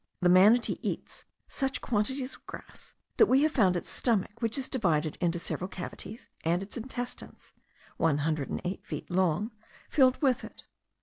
The manatee eats such quantities of grass, that we have found its stomach, which is divided into several cavities, and its intestines, (one hundred and eight feet long,) filled with it.